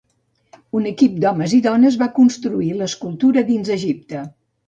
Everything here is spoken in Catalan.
Un equip d'homes i dones va construir l'escultura dins Egipte.